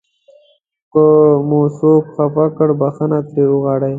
که مو څوک خفه کړ بښنه ترې وغواړئ.